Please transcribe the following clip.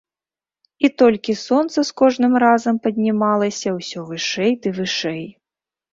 І толькі сонца з кожным разам паднімалася ўсё вышэй ды вышэй.